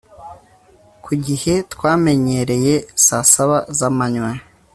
ku gihe twamenyereye saa saba zamanywa